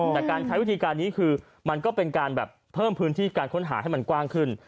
แต่การใช้วิธีการนี้คือมันก็เป็นการแบบเพิ่มพื้นที่การค้นหาให้มันกว้างขึ้น